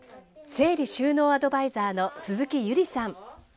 整理収納アドバイザーの鈴木ゆりさん。